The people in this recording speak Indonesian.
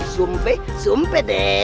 sumpih sumpih deh